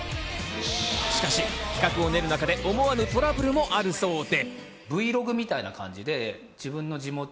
しかし企画を練る中で思わぬトラブルもあるそうで。